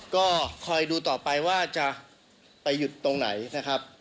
ก็คอยดูต่อไปว่าจะไปหยุดตรงไหนนะครับ